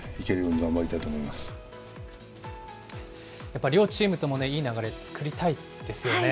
やっぱ両チームともいい流れ作りたいですよね。